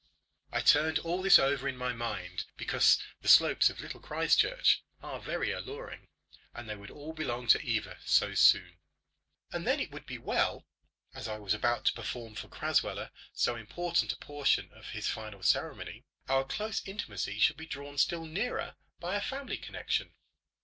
I turned all this over in my mind, because the slopes of Little Christchurch are very alluring, and they would all belong to Eva so soon. And then it would be well, as I was about to perform for Crasweller so important a portion of his final ceremony, our close intimacy should be drawn still nearer by a family connection.